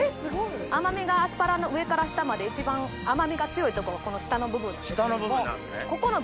甘みがアスパラの上から下まで一番甘みが強いとこが下の部分なんですけれども。